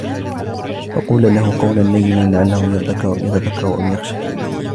فَقُولَا لَهُ قَوْلًا لَيِّنًا لَعَلَّهُ يَتَذَكَّرُ أَوْ يَخْشَى